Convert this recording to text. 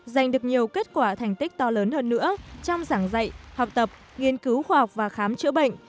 giành được nhiều kết quả thành tích to lớn hơn nữa trong giảng dạy học tập nghiên cứu khoa học và khám chữa bệnh